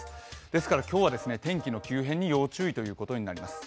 ですから、今日は天気の急変に要注意となります。